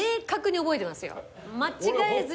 間違えずに。